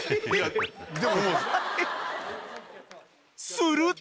［すると］